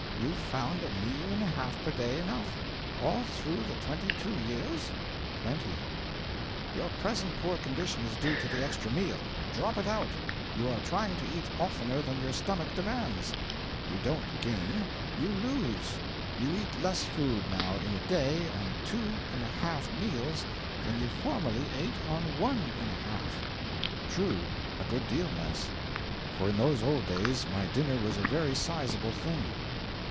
'You found a meal and a half per day enough, all through the twenty two years?' 'Plenty.' 'Your present poor condition is due to the extra meal. Drop it out. You are trying to eat oftener than your stomach demands. You don't gain, you lose. You eat less food now, in a day, on two and a half meals, than you formerly ate on one and a half.' 'True a good deal less; for in those olds days my dinner was a very sizeable thing.'